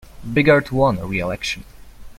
Biggert won re-election.